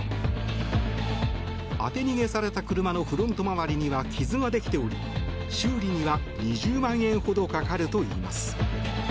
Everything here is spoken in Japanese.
当て逃げされた車のフロント周りには傷ができており、修理には２０万円ほどかかるといいます。